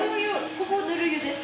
ここぬる湯です。